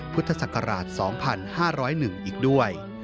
พุทธศักราช๒๕๐๑อีกด้วย